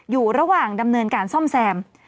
ทางดำเนินการซ่อมแซม